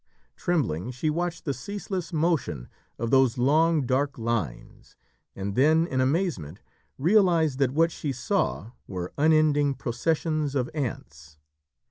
Trembling she watched the ceaseless motion of those long, dark lines, and then, in amazement, realised that what she saw were unending processions of ants.